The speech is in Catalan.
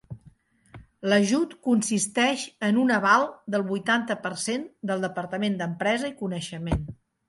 L'ajut consisteix en un aval del vuitanta per cent del Departament d'Empresa i Coneixement.